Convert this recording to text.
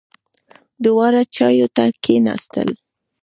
دواړه چایو ته کېناستل.